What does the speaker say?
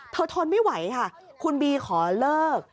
ทนไม่ไหวค่ะคุณบีขอเลิก